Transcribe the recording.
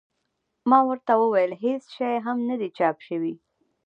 ما ورته وویل هېڅ شی هم نه دي چاپ شوي.